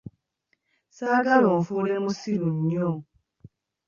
Ssaagala onfuule musiru nnyo.